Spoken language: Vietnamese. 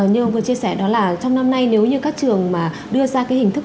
như ông vừa chia sẻ đó là trong năm nay nếu như các trường mà đưa ra cái hình thức